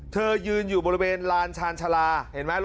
เธอยืนอยู่บริเวณร้านชาลชาราเห็นไหม